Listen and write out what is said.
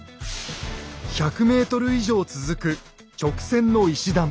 １００ｍ以上続く直線の石段。